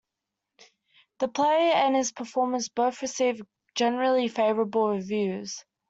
The play and his performance both received generally favorable reviews.